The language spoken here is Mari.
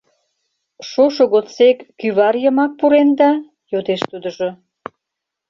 «Шошо годсек кӱвар йымак пуренда?» — йодеш тудыжо.